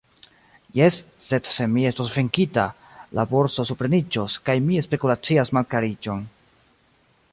Jes, sed se mi estos venkita, la borso supreniĝos, kaj mi spekulacias malkariĝon.